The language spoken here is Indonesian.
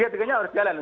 tiga c nya harus jalan